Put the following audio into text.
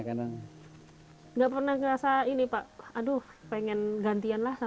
kalau tidak ketemu satu hari saya tidak bisa